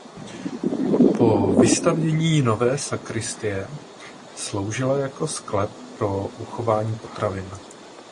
Po vystavění nové sakristie sloužila jako sklep pro uchování potravin.